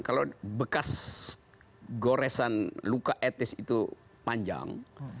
kalau bekas goresan luka etis itu panjang